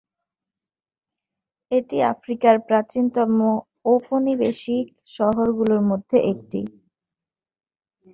এটি আফ্রিকার প্রাচীনতম ঔপনিবেশিক শহরগুলোর মধ্যে একটি।